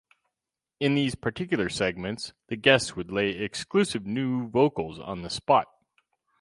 In these particular segments, the guests would lay exclusive new vocals on the spot.